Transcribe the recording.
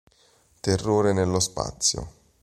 Terrore nello spazio